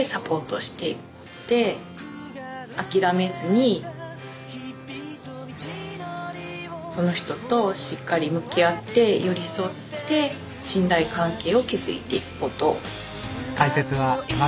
諦めずにその人としっかり向き合って寄り添って信頼関係を築いていくこと。